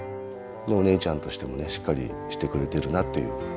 お姉ちゃんとしてもねしっかりしてくれてるなっていう。